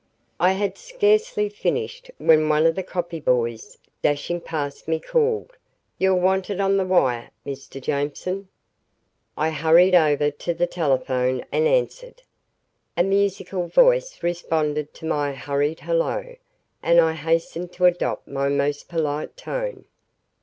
I had scarcely finished, when one of the copy boys, dashing past me, called, "You're wanted on the wire, Mr. Jameson." I hurried over to the telephone and answered. A musical voice responded to my hurried hello, and I hastened to adopt my most polite tone.